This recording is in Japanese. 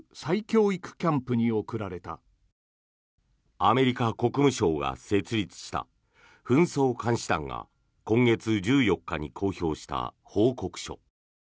アメリカ国務省が設立した紛争監視団が今月１４日に公表した報告書。